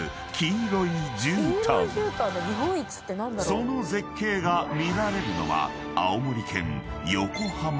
［その絶景が見られるのは］